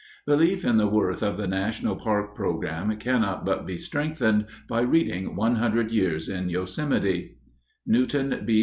_ Belief in the worth of the national park program cannot but be strengthened by reading One Hundred Years in Yosemite. Newton B.